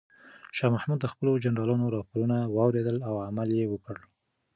شاه محمود د خپلو جنرالانو راپورونه واورېدل او عمل یې وکړ.